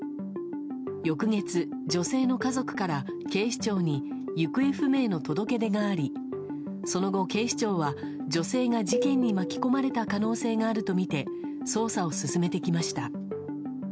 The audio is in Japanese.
翌月、女性の家族から警視庁に行方不明の届け出がありその後、警視庁は女性が事件に巻き込まれた可能性があるとみて捜査を進めてきました。